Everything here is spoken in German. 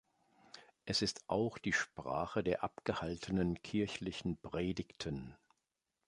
Es ist auch die Sprache der abgehaltenen kirchlichen Predigten.